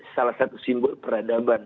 salah satu simbol peradaban